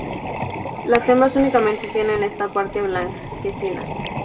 Las hembras únicamente tienen esta parte blanquecina.